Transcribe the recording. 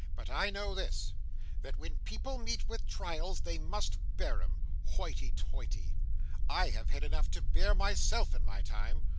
"But I know this—that when people meet with trials, they must bear 'em. Hoity, toity! I have had enough to bear myself, in my time!